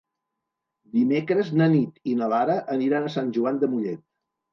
Dimecres na Nit i na Lara aniran a Sant Joan de Mollet.